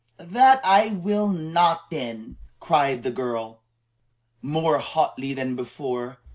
"That I will not then," cried the girl, more hotly than before.